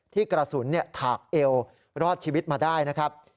ที่กระสุนถากเอวรอดชีวิตมาได้นะครับ